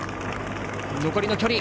残りの距離。